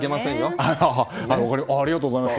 ありがとうございます。